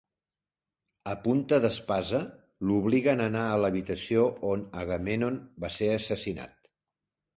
A punta d'espasa, l'obliguen a anar a l'habitació on Agamèmnon va ser assassinat.